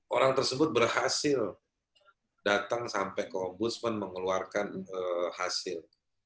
orang tersebut berhasil datang sampai ke ombudsman mengeluarkan hasil